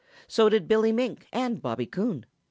So did Billy Mink and Bobby Coon.